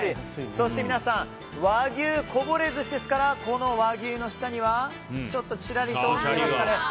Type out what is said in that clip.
そして皆さん和牛こぼれ寿司ですからこの和牛の下にはちょっとちらりと見えますかね